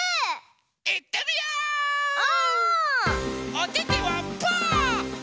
おててはパー！